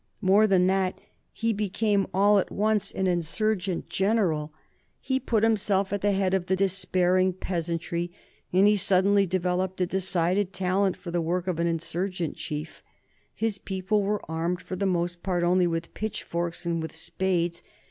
More than that, he became all at once an insurgent general. He put himself at the head of the despairing peasantry, and he suddenly developed a decided talent for the work of an insurgent chief. His people were armed for the most part only with pitchforks and with spades.